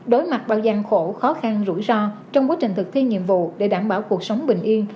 đối mặt bao gian khổ khó khăn rủi ro trong quá trình thực thi nhiệm vụ để đảm bảo cuộc sống bình yên